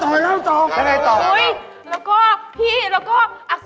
โอ๊ยแล้วก็พี่แล้วก็อักษรเย่าขอขอม